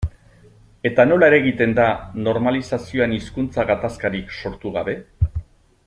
Eta nola eragiten da normalizazioan hizkuntza gatazkarik sortu gabe?